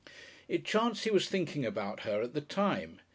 It chanced he was thinking about her at the time.